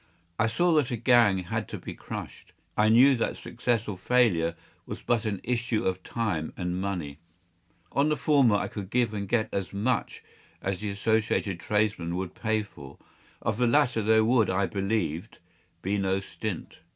I saw that a gang had to be crushed. I knew that success or failure was but an issue of time and money. Of the former I could give and get as much as the associated tradesmen would pay for. Of the latter there would, I believed, be no stint.